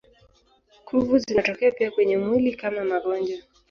Kuvu zinatokea pia kwenye mwili kama magonjwa.